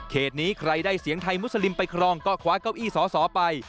นี้ใครได้เสียงไทยมุสลิมไปครองก็คว้าเก้าอี้สอสอไป